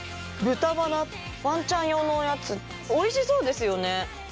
豚鼻ワンちゃん用のおやつおいしそうですよね。